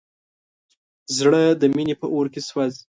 زړه د مینې په اور کې سوځي.